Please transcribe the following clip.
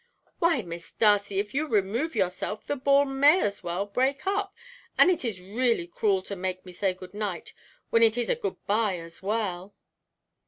"Why, Miss Darcy, if you remove yourself, the ball may as well break up; and it is really cruel to make me say good night, when it is good bye as well."